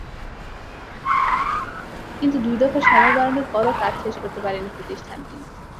কিন্তু দুই দফা সময় বাড়ানোর পরও কাজ শেষ করতে পারেনি প্রতিষ্ঠানটি।